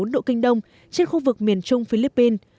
một trăm hai mươi hai bốn độ kinh đông trên khu vực miền trung philippines